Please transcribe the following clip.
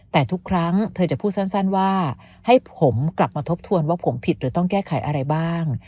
แต่ทุกครั้งเธอจะพูดสั้นว่าให้ผมกลับมาทบทวนว่าผมผิดหรือต้องแก้ไขอะไรบ้าง